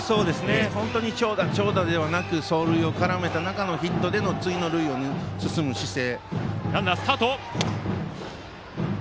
本当に長打、長打だけではなく走塁を絡めた中でのヒットでの次の塁へ進む姿勢。